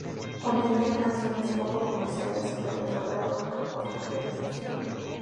Contenía canciones poco comerciales, pero que lograron una importante difusión.